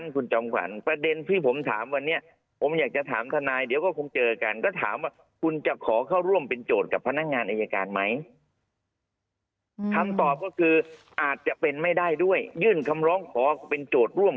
ก็ไม่เป็นผู้เสียหายเพราะมีส่วนร่วม